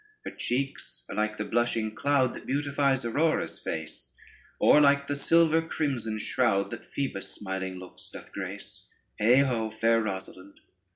Her cheeks are like the blushing cloud That beautifies Aurora's face, Or like the silver crimson shroud That Phoebus' smiling looks doth grace: Heigh ho, fair Rosalynde.